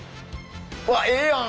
うわっええやん。